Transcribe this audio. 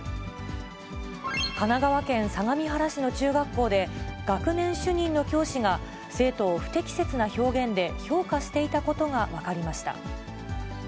神奈川県相模原市の中学校で、学年主任の教師が、生徒を不適切な表現で評価していたことが分かりました。